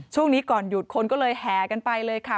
ช่วงนี้ก่อนหยุดคนก็เลยแห่กันไปเลยค่ะ